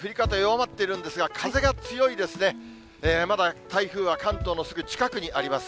まだ台風は関東のすぐ近くにあります。